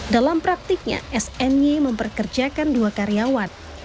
dalam praktiknya sny memperkerjakan dua karyawan